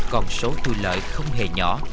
còn số thu lợi không hề nhỏ